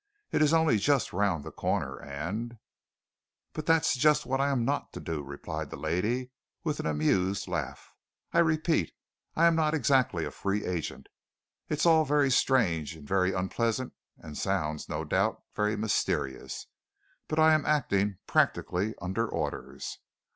It's only just round the corner, and " "But that's just what I am not to do," replied the lady, with an amused laugh. "I repeat I am not exactly a free agent. It's all very strange, and very unpleasant, and sounds, no doubt, very mysterious, but I am acting practically under orders.